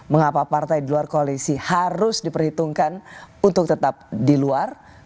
mengapa partai di luar koalisi harus diperhitungkan untuk tetap di luar